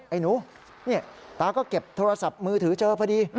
ไอ้หนูนี่ตาก็เก็บโทรศัพท์มือถือเจอพอดี